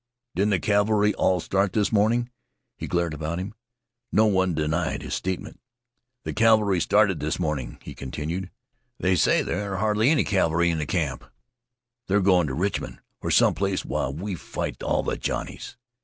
Didn't the cavalry all start this morning?" He glared about him. No one denied his statement. "The cavalry started this morning," he continued. "They say there ain't hardly any cavalry left in camp. They're going to Richmond, or some place, while we fight all the Johnnies.